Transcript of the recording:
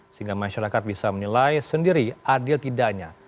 sehingga masyarakat bisa menilai sendiri adil tidaknya